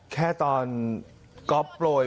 แค่ตอนก๊อฟโปรย